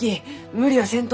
無理はせんと。